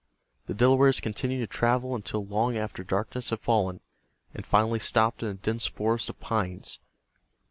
The Delawares continued to travel until long after darkness had fallen, and finally stopped in a dense forest of pines.